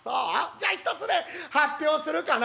じゃひとつね発表するかな？」。